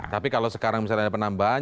tapi kalau sekarang misalnya ada penambahan